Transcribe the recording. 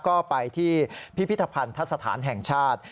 ก็ไปที่พิพิธภัณฑสถานแห่งชาติ